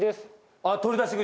あっ取り出し口。